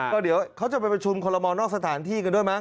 ก็เดี๋ยวเขาจะไปประชุมคอลโมนอกสถานที่กันด้วยมั